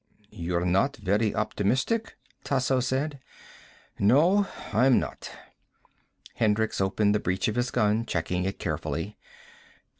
"You're not very optimistic," Tasso said. "No, I'm not." Hendricks opened the breech of his gun, checking it carefully.